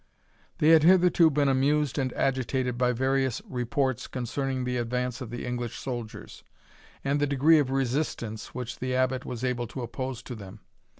They had hitherto been amused and agitated by various reports concerning the advance of the English soldiers, and the degree of resistance which the Abbot was able to oppose to them.